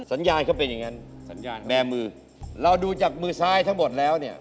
สัญญาณเขาเป็นอย่างงั้นสัญญาณแบร์มือเราดูจากมือซ้ายทั้งหมดแล้วเนี่ย